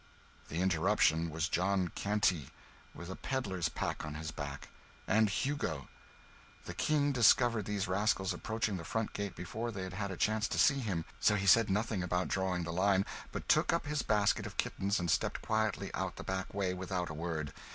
The interruption was John Canty with a peddler's pack on his back and Hugo. The King discovered these rascals approaching the front gate before they had had a chance to see him; so he said nothing about drawing the line, but took up his basket of kittens and stepped quietly out the back way, without a word.